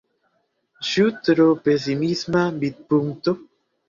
Ĉu tro pesimisma vidpunkto?